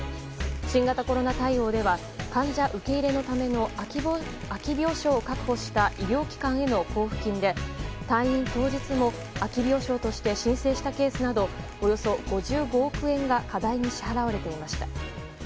新型コロナ対応では患者受け入れのための空き病床を確保した医療機関への交付金で退院当日も、空き病床として申請したケースなどおよそ５５億円が過大に支払われていました。